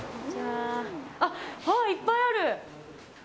あっ、いっぱいある！